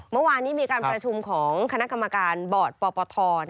เมื่อวานนี้มีการประชุมของคณะกรรมการบอร์ดปปท